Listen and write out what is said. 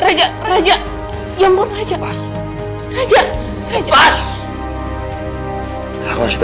raja raja jangan dibuka aja lepas raja raja raja jangan dibuka aja lepas raja raja raja